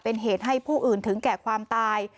เป็นเหตุให้ผู้อื่นถึงแก่ความตาย